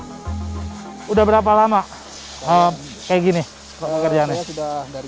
sudah berapa lama kayak gini pekerjaan ini